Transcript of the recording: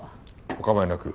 お構いなく。